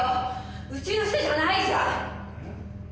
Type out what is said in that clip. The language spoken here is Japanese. うちの人じゃないじゃん！